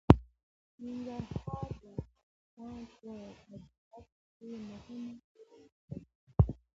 ننګرهار د افغانستان په طبیعت کې مهم رول لري.